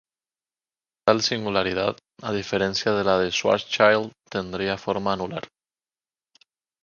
Tal singularidad, a diferencia de la de Schwarzschild, tendría forma anular.